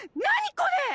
これ！